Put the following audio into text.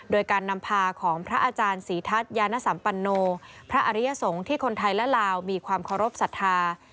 โดยการนำพาของพระอาจารย์ศรีทัศน์ยานสัมปันโนพระอริยสงฆ์ที่คนไทยและลาวมีความเคารพสัทธา